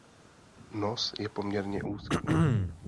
Nos je poměrně úzký.